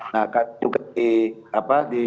nah itu di